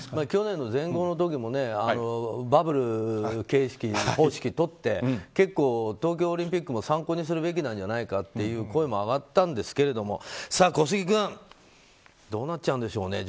去年の全豪オープンの時もバブル方式を取って結構、東京オリンピックも参考するべきじゃないかという声も上がったんですけれども小杉君どうなっちゃうんでしょう。